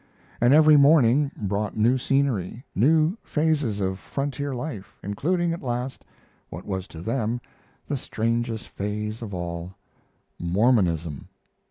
And every morning brought new scenery, new phases of frontier life, including, at last, what was to them the strangest phase of all, Mormonism.